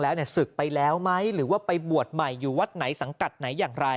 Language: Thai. แล้วศึกไปแล้วไหมหรือว่าไปบวชใหม่อยู่วัดไหนสังกัดไหนอย่างไร